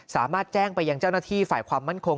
สามารถแจ้งไปยังเจ้าหน้าที่ฝ่ายความมั่นคง